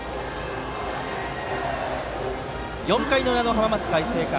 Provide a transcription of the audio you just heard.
４回の裏の浜松開誠館。